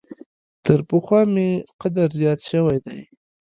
تر پخوا مي قدر زیات شوی دی .